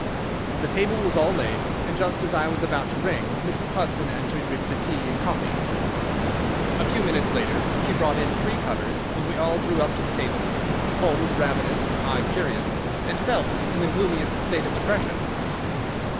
The table was all laid, and just as I was about to ring Mrs. Hudson entered with the tea and coffee. A few minutes later she brought in three covers, and we all drew up to the table, Holmes ravenous, I curious, and Phelps in the gloomiest state of depression.